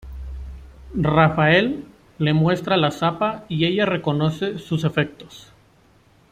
Raphaël le muestra la zapa y ella reconoce sus efectos.